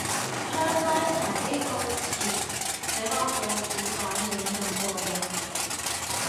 將拉柴呢個詞寫落報紙版面咁過癮